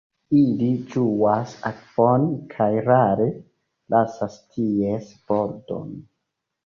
Ili ĝuas akvon kaj rare lasas ties bordon.